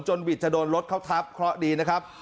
หวิดจะโดนรถเขาทับเคราะห์ดีนะครับ